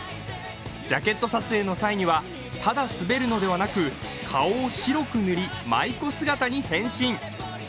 ジャケット撮影の際には、ただ滑るのではなく顔を白く塗り、舞妓姿に変身。